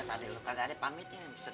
ya tadi lo kagak ada pamitin sedar